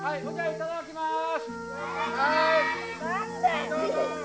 いただきます。